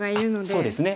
そうですね。